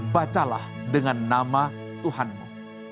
bacalah dengan nama tuhanmu